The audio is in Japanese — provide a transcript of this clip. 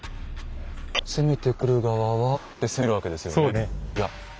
攻めてくる側はまあこうで攻めるわけですよね。